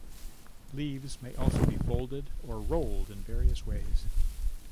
Leaves may also be folded or rolled in various ways.